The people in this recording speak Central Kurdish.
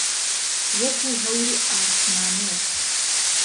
وهکو ههوری عاسمانێ